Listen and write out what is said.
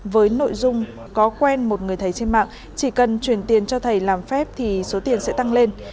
với nội dung có quen một người thầy trên mạng chỉ cần chuyển tiền cho thầy làm phép thì số tiền sẽ tăng lên